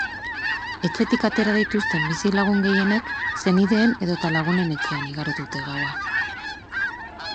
Etxetik atera dituzten bizilagun gehienek senideen edota lagunen etxean igaro dute gaua.